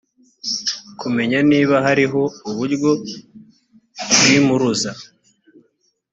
kumenya niba hariho uburyo bw impuruza